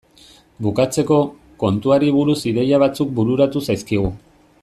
Bukatzeko, kontuari buruz ideia batzuk bururatu zaizkigu.